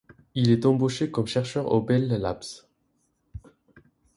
Il est embauché comme chercheur aux Bell Labs.